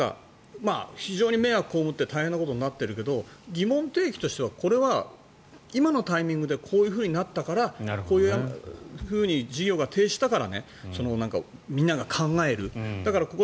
非常に迷惑を被って大変なことになっているけど疑問提起としては、これは今のタイミングでこうなったからこういうふうに事業が停止したからみんなが考える。